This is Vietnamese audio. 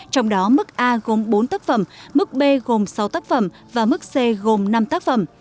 trong đó mức a gồm bốn tác phẩm mức b gồm sáu tác phẩm và mức c gồm năm tác phẩm